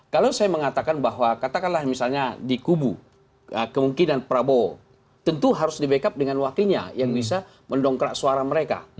kalau saya mengatakan bahwa katakanlah misalnya di kubu kemungkinan prabowo tentu harus di backup dengan wakilnya yang bisa mendongkrak suara mereka